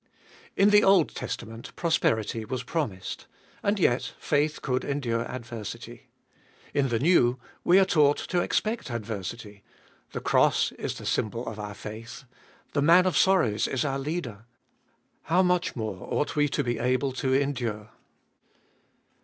7. In the Old Testament prosperity was promised. And yet faith could endure adversity. In the New, we are taught to expect adversity : the cross is the symbol of our faith ; the Man of Sorrows Is our Leader; how much more ought we to be able to endure.